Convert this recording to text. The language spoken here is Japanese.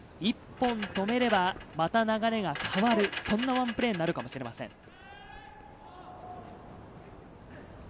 １本止めれば、また流れが変わる、そんなワンプレーになるかもしれません。